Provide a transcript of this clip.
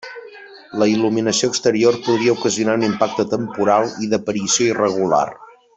La il·luminació exterior podria ocasionar un impacte temporal i d'aparició irregular.